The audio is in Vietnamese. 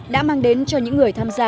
đã mang đến cho những người tham gia